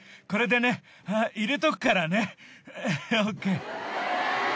これでね入れとくからねオッケー。